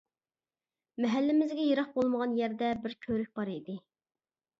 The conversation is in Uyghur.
مەھەللىمىزگە يىراق بولمىغان يەردە بىر كۆۋرۈك بار ئىدى.